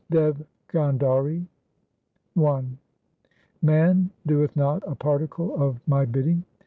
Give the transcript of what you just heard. Devgandhari I Man doeth not a particle of my bidding.